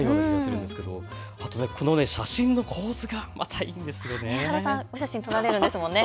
この写真の構図がまたいいですよね。